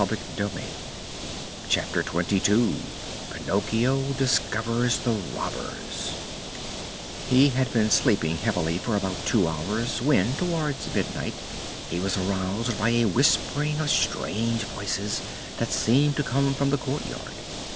CHAPTER XXII PINOCCHIO DISCOVERS THE ROBBERS He had been sleeping heavily for about two hours when, towards midnight, he was aroused by a whispering of strange voices that seemed to come from the courtyard.